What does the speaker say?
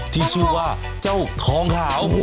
ที่ชื่อว่าเจ้าของขาว